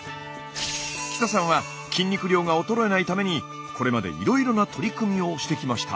北さんは筋肉量が衰えないためにこれまでいろいろな取り組みをしてきました。